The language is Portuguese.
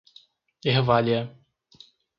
Ervália